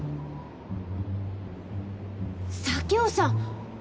佐京さん